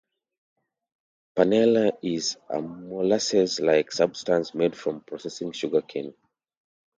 Panela is a molasses-like substance made from processing sugar cane.